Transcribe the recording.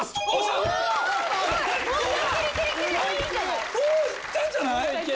もういったんじゃない？